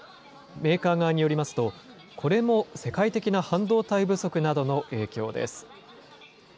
メーカー側によりますと、これも世界的な半導体不足などの影響です。